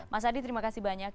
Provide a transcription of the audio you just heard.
mas adi terima kasih banyak